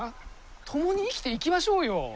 共に生きていきましょうよ！